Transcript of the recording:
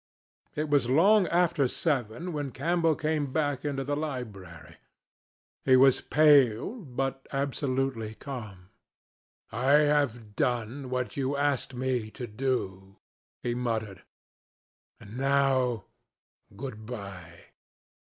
It was long after seven when Campbell came back into the library. He was pale, but absolutely calm. "I have done what you asked me to do," he muttered. "And now, good bye.